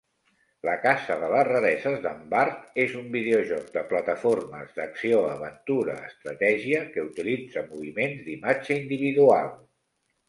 "La Casa de las rareses d'en Bart" és un videojoc de plataformes d'acció-aventura-estratègia que utilitza moviments d'imatge individual.